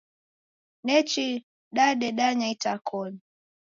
Nechi dadedanya itakoni.